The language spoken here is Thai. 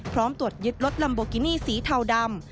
ตรวจยึดรถลัมโบกินี่สีเทาดำ